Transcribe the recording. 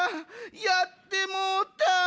やってもうた。